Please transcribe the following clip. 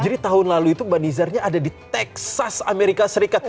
jadi tahun lalu itu mbak nizarnya ada di texas amerika serikat